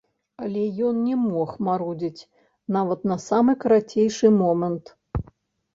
Але ён не мог марудзіць нават на самы карацейшы момант.